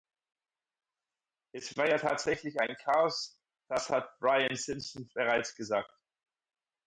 Es war ja tatsächlich ein Chaos das hat Brian Simpson bereits gesagt.